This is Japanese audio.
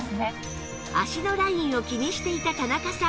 脚のラインを気にしていた田中さん